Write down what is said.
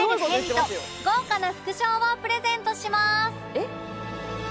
「えっ？」